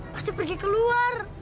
pasti pergi keluar